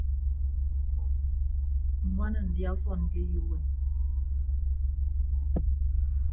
Ññwana ndia ọfọn ke eyo uwem.